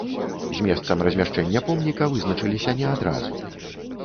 З месцам размяшчэння помніка вызначыліся не адразу.